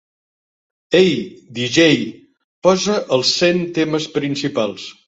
"Ei, DJ, posa els cent temes principals".